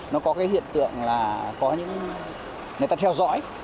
nó có cái hiện tượng là có những người ta theo dõi